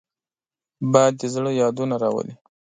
باد د زړه یادونه راولي